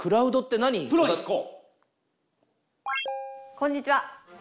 こんにちは。